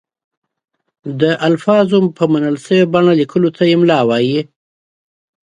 د الفاظو په منل شوې بڼه لیکلو ته املاء وايي.